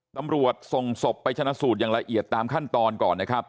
ตำรวจส่งศพไปชนะสูตรอย่างละเอียดตามขั้นตอนก่อนนะครับ